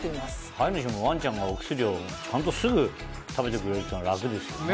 飼い主もワンちゃんがお薬をちゃんとすぐ食べてくれるっていうのは楽ですよね。